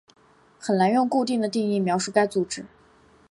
很难用固定的定义描述该组织。